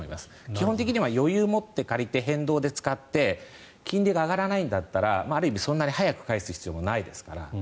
基本的には余裕を持って借りて変動で使って金利が上がらないんだったらある意味、そんなに早く返す必要もないですから